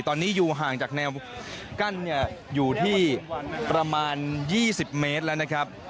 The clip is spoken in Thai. ตอนนี้อยู่ห่างจากแนวกั้นอยู่ที่ประมาณ๒๐เมตรแล้วนะครับ